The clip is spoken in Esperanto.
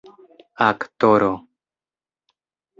aktoro